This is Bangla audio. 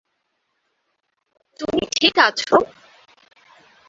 তুমি ঠিক আছো?